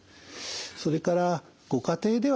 それからご家庭ではですね